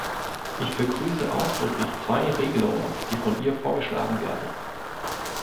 Ich begrüße ausdrücklich zwei Regelungen, die von ihr vorgeschlagen werden.